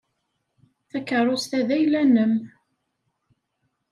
Takeṛṛust-a d ayla-nnem.